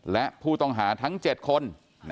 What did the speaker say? และผู้ต้องหาทั้ง๗คน